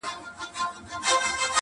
چي پیدا کړي لږ ثروت بس هوایې سي،